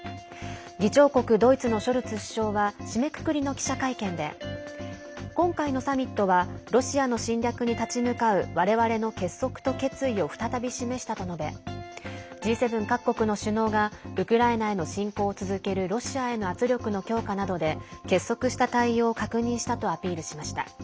議長国ドイツのショルツ首相は締めくくりの記者会見で今回のサミットはロシアの侵略に立ち向かうわれわれの結束と決意を再び示したと述べＧ７各国の首脳がウクライナへの侵攻を続けるロシアへの圧力の強化などで結束した対応を確認したとアピールしました。